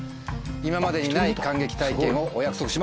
今までにない観劇体験をお約束します